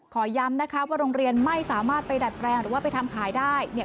ขอยำว่าโรงเรียนไม่สามารถไปดัดแปรงหรือว่าไปทำขายได้